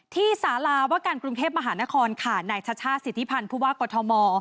สาราว่าการกรุงเทพมหานครค่ะนายชัชชาติสิทธิพันธ์ผู้ว่ากอทม